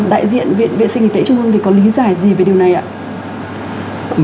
đại diện viện vệ sinh y tế trung ương thì có lý giải gì về điều này ạ